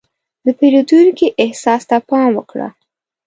د پیرودونکي احساس ته پام وکړه.